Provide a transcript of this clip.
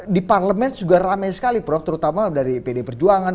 di parlemen juga ramai sekali prof terutama dari pd perjuangan